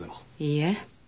いいえ。